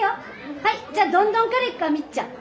はいじゃあ「どんどん」からいくかみっちゃん。